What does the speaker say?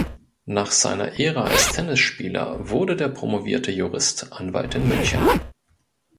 Nach seiner Ära als Tennisspieler wurde der promovierte Jurist Anwalt in München.